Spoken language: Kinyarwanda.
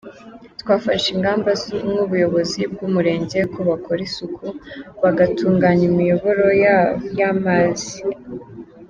Twafashe ingamba nk’Ubuyobozi bw’umurenge ko bakora isuku, bagatunganya imiyoboro y’amazi.